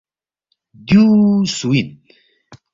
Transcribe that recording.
دیُو سُو اِن؟